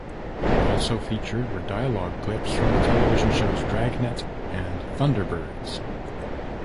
Also featured were dialogue clips from the television shows "Dragnet", and "Thunderbirds".